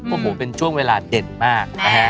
โอ้โหเป็นช่วงเวลาเด่นมากนะฮะ